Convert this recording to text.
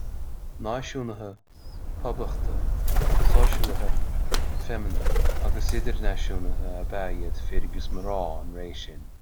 Náisiúnaithe, poblachtaigh, sóisialaithe, feiminigh agus idirnáisiúnaíthe ab ea iad fir agus mná an ré sin